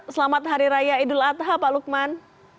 selamat hari raya idul adha pak lukman